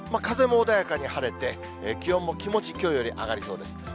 風も穏やかに晴れて、気温も気持ち、きょうより上がりそうです。